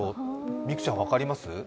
美空ちゃん、分かります？